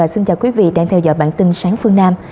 xin chào quý vị đang theo dõi bản tin sáng phương nam